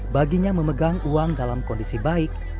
baginya memegang uang dalam kondisi baik